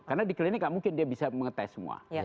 karena di klinik mungkin dia bisa mengetes semua